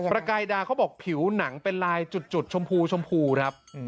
ประกายดาเขาบอกผิวหนังเป็นลายจุดชมพูชมพูครับ